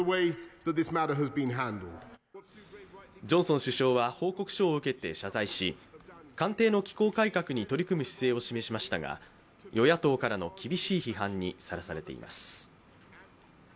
ジョンソン首相は報告書を受けて謝罪し官邸の機構改革に取り組む姿勢を示しましたが、与野党からの厳しい批判にさらされています。